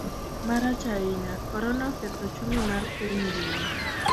Marach ahinya, Korona oketho ochumi mar piny ngima.